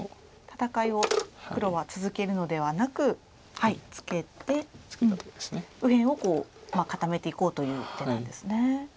戦いを黒は続けるのではなくツケて右辺をこう固めていこうという手なんですね。